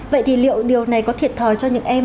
vậy thì liệu điều này có thiệt thòi cho những em